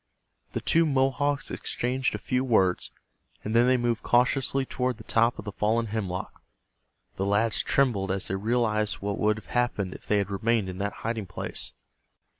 The two Mohawks exchanged a few words, and then they moved cautiously toward the top of the fallen hemlock. The lads trembled as they realized what would have happened if they had remained in that hiding place.